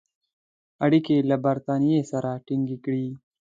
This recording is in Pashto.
اړیکي له برټانیې سره تینګ کړي.